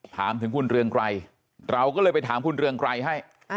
ถามถึงคุณเรืองไกรเราก็เลยไปถามคุณเรืองไกรให้